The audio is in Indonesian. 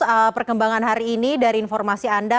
apa perkembangan hari ini dari informasi anda